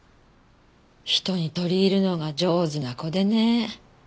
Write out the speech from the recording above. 人に取り入るのが上手な子でね。